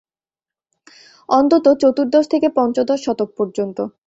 অন্তত চতুর্দশ থেকে পঞ্চদশ শতক পর্যন্ত।